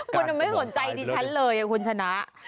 คุณไม่สนใจดิฉันเลยคุณชนะ